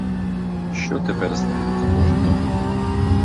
Що тепер з неї за пожиток?